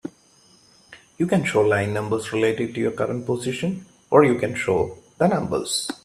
You can show line numbers relative to your current position, or you can show the numbers.